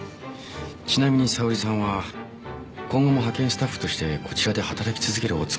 ちなみに沙織さんは今後も派遣スタッフとしてこちらで働き続けるおつもりなんでしょうか？